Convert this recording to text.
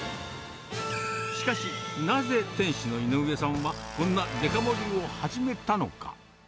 しかし、なぜ店主の井上さんはこんなデカ盛りを始めたのか。